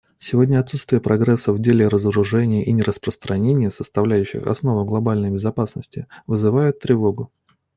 Сегодня отсутствие прогресса в деле разоружения и нераспространения, составляющих основу глобальной безопасности, вызывает тревогу.